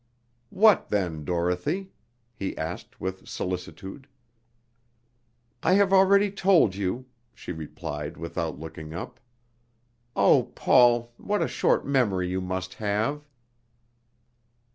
"What then, Dorothy?" he asked with solicitude. "I have already told you," she replied without looking up. "Oh, Paul, what a short memory you must have!"